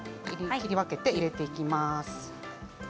切り分けて入れていきます。